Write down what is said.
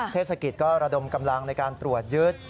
เทศกิจก็ระดมกำลังในการตรวจยึด